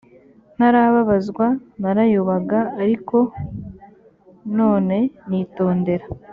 ntarababazwa narayobaga ariko none nitondera